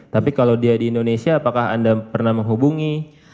tapi kalau dia di indonesia apakah anda pernah menghubungi